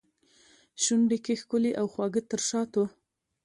شونډو کې ښکلي او خواږه تر شاتو